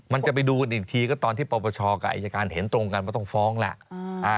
มันจะไปดูกันอีกทีก็ตอนที่ปปชกับอายการเห็นตรงกันว่าต้องฟ้องแหละ